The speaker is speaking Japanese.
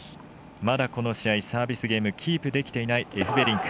まだこの試合サービスゲームキープできていないエフベリンク。